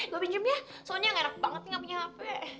lo pinjam ya soalnya enggak enak banget nih nggak punya hape